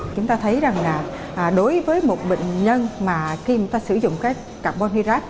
chúng ta thấy rằng đối với một bệnh nhân mà khi chúng ta sử dụng carbon hydrate